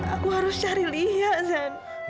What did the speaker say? aku harus cari lian